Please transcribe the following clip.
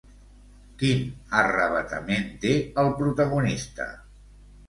Quin arravatament té el protagonista?